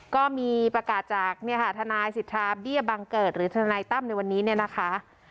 ก็มีประกาศจากทนายสิทธาเบี้ยบังเกิดหรือทนายตั้มในวันนี้เนี่ยนะคะ